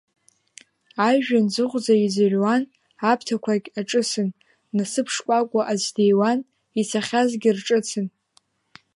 Ажәҩан ӡыӷәӡа иӡырҩуан, аԥҭақәагь аҿысын, насыԥ шкәакәа аӡә диуан ицахьазгьы рҿыцын.